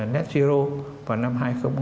nét zero vào năm hai nghìn năm mươi